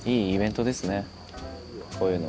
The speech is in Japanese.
こういうの。